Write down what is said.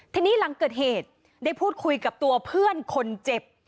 ทีนี้หลังเกิดเหตุได้พูดคุยกับตัวเพื่อนคนเจ็บ